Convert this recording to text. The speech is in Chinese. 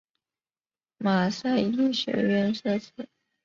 马赛医学院设此。